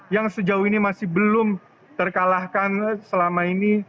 yang sejauh ini masih belum terkalahkan selama ini